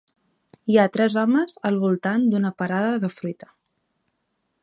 Hi ha tres homes al voltant d'una parada de fruita.